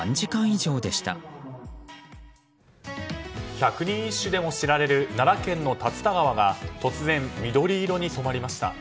百人一首でも知られる奈良県の竜田川が突然、緑色に染まりました。